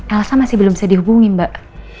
elsa masih belum bisa dihubungi mbak